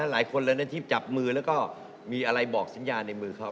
หลายคนเลยนะที่จับมือแล้วก็มีอะไรบอกสัญญาในมือเขา